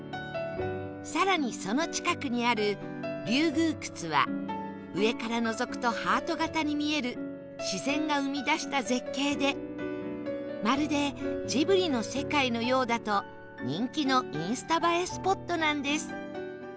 更にその近くにある龍宮窟は上からのぞくとハート形に見える自然が生み出した絶景でまるでジブリの世界のようだと人気のインスタ映えスポットなんです